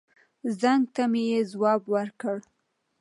زنګ ته مې يې ځواب ور کړ.